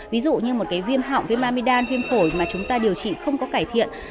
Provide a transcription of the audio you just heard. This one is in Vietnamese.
ví dụ như một cái viêm họng viêm amamidam viêm phổi mà chúng ta điều trị không có cải thiện